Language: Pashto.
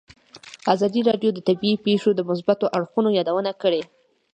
ازادي راډیو د طبیعي پېښې د مثبتو اړخونو یادونه کړې.